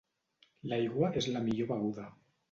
L'aigua és la millor beguda.